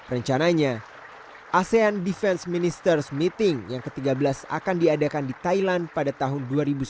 rencananya asean defense ministers meeting yang ke tiga belas akan diadakan di thailand pada tahun dua ribu sembilan belas